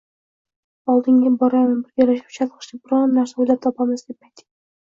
Oldingga boraymi, birgalashib chalg‘ishga biron narsa o‘ylab topamiz?” deb ayting.